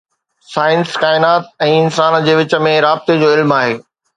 science ڪائنات ۽ انسان جي وچ ۾ رابطي جو علم آهي